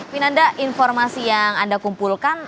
vinanda informasi yang anda kumpulkan